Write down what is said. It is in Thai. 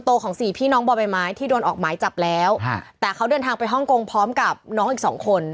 ที่โดนออกหมายจับแล้วแต่เขาเดินทางไปฮ่องกงพร้อมกับน้องอีกสองคน